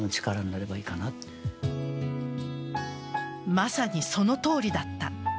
まさに、そのとおりだった。